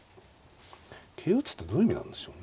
桂打つってどういう意味なんでしょうね。